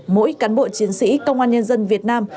mỗi cán bộ chiến sĩ công an nhân dân việt nam